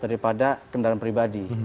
daripada kendaraan pribadi